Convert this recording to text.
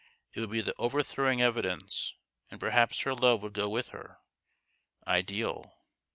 It would be the overthrowing evidence, and perhaps her love would go with her ideal.